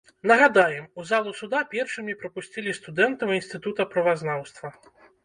Нагадаем, у залу суда першымі прапусцілі студэнтаў інстытута правазнаўства.